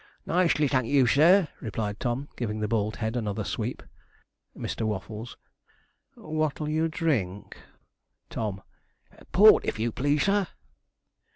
'Nicely, thank you, sir,' replied Tom, giving the bald head another sweep. Mr. Waffles. 'What'll you drink?' Tom. 'Port, if you please, sir.'